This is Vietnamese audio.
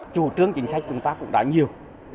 chính sách chúng ta cũng đã nhiều